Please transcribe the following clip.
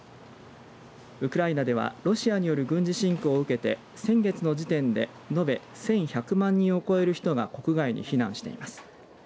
ウクライナではロシアによる軍事侵攻を受けて先月の時点で延べ１１００万人を超える人が国外に避難しています。